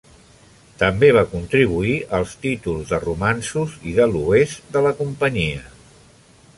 També va contribuir als títols de romanços i de l"oest de la companyia.